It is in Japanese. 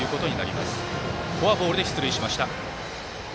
小保内フォアボールで出塁しました。